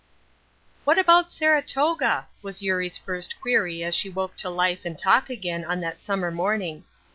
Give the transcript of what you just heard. "What about Saratoga?" was Eurie's first query as she awoke to life and talk again on that summer morning.